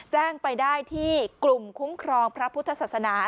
แจ้งไปได้ที่กลุ่มคุ้มครองพระพุทธศาสนา